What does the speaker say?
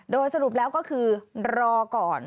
โดยสรุปแล้วก็คือรอก่อน